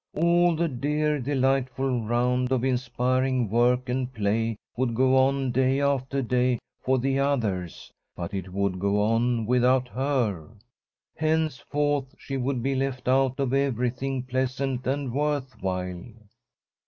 All the dear, delightful round of inspiring work and play would go on day after day for the others, but it would go on without her. Henceforth she would be left out of everything pleasant and worth while.